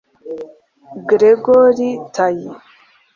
Gragory Tayi